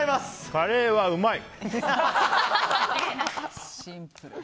カレーはうまい！